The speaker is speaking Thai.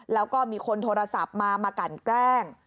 แล้วก็มีคนโทรศัพท์มามากันแกล้ง